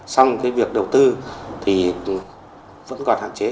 xong việc đầu tư vẫn còn hạn chế